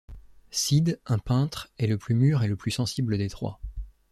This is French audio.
Sid, un peintre, est le plus mûr et le plus sensible des trois.